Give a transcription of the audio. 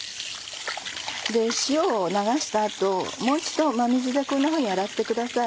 塩を流した後もう一度真水でこんなふうに洗ってください。